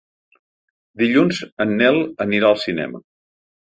Dilluns en Nel anirà al cinema.